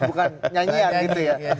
bukan nyanyian gitu ya